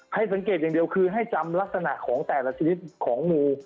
ให้สังเกตอย่างเดียวคือให้จำลักษณะของแต่ละชนิดของงู